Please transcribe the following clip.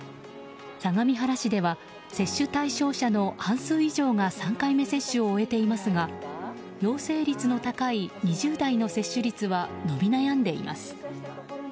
相模原市では接種対象者の半数以上が３回目接種を終えていますが陽性率の高い２０代の接種率は伸び悩んでいます。